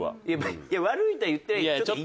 いや悪いとは言ってない。